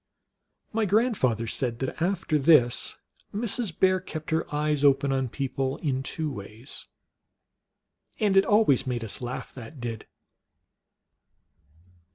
My grandfather said that after this Mrs. Bear kept her eyes open on people in two ways. And it always made us laugh, that did.